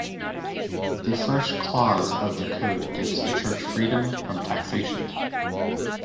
The first clause of the code gives the Church freedom from taxation.